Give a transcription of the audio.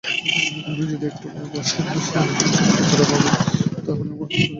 আপনি যদি একটু বসেন চন্দ্রবাবু তা হলে আমার দুই-একটা কথা বলবার আছে।